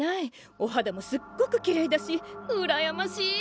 おはだもすっごくきれいだしうらやましい！